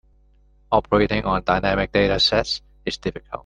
Operating on dynamic data sets is difficult.